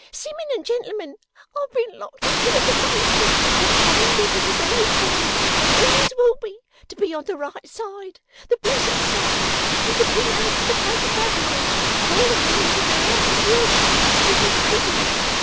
Simmun and gentlemen, I've been locked up here for safety, but my endeavours has always been, and always will be, to be on the right side the blessed side and to prenounce the Pope of Babylon, and all her inward and her outward workings, which is Pagin.